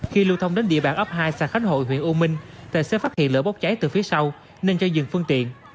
khi lưu thông đến địa bàn ấp hai xa khánh hội huyện u minh tài xế phát hiện lửa bốc cháy từ phía sau nên cho dừng phương tiện